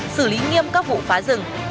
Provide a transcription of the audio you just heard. xử lý nghiêm cấp vụ phá rừng